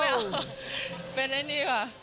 ไม่เอาเป็นไอ้นี่ค่ะ